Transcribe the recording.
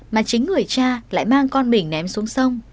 mà chính người cha lại mang con mình ném xuống sông